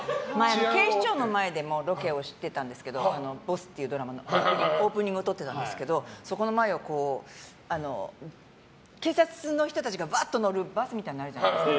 警視庁の前でもロケをしてたんですけど「ＢＯＳＳ」というドラマのオープニングを撮ってたんですけどそこの前を警察の人たちがわっと乗るバスがあるじゃないですか。